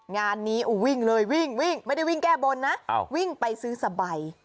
งานนี้วิ่งเลยไม่ได้วิ่งแก้บนนะวิ่งไปซื้อสะใบ